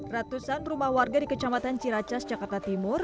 ratusan rumah warga di kecamatan ciracas jakarta timur